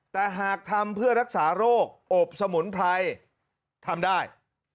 แต่หากทำเพื่อรักษาโรคอบสมุนไพรทำได้